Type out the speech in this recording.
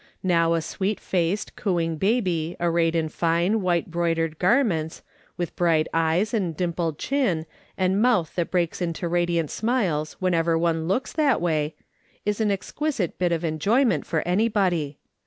Now a sweet faced, cooing baby arrayed in fine white broidered garments, with brig] it eyes, and dimpled chin, and mouth that breaks into radiant smiles whenever one looks that way, is an exquisite bit of enjoyment for anybody.